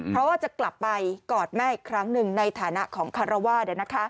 เพราะว่าจะกลับไปกอดแม่อีกครั้งหนึ่งในฐานะของคารวาส